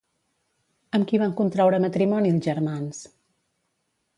Amb qui van contraure matrimoni els germans?